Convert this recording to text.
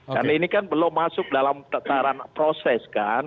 karena ini kan belum masuk dalam tetaran proses kan